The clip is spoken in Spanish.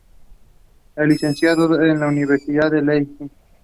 Es licenciado en la Universidad de Lehigh.